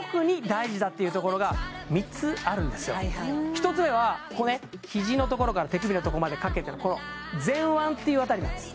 １つ目はここね肘のところから手首のところまでかけてのこの前腕っていう辺りなんです